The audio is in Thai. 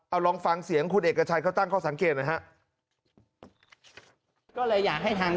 เอาลองฟังเสียงคุณเอกชายเขาตั้งข้อสังเกตนะฮะก็เลยอยากให้ทาง